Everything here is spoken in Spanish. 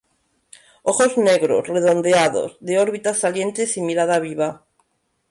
Ojos negros, redondeados, de órbitas salientes y mirada viva.